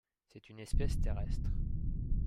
C'est une espèce terrestre.